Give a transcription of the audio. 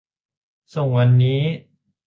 ส่งวันนี้